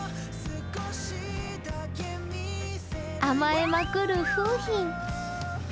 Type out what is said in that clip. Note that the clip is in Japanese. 甘えまくる楓浜。